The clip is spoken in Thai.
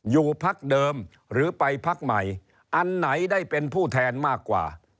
อยู่พักเดิมหรือไปพักใหม่อันไหนได้เป็นผู้แทนมากกว่า